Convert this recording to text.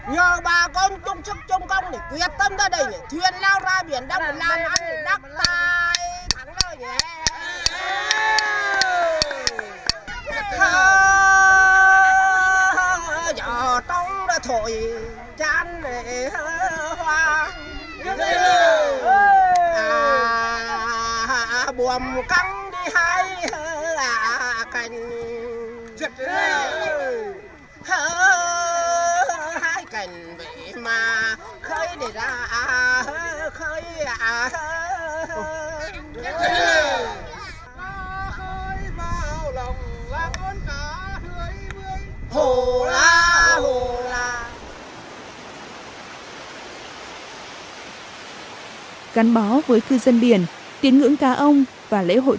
nhờ bà con trung sức trung công để quyết tâm ra đây để thuyền lao ra biển đông làm ăn đắc tài